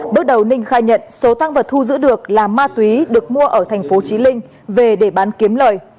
bước đầu ninh khai nhận số tăng vật thu giữ được là ma túy được mua ở thành phố trí linh về để bán kiếm lời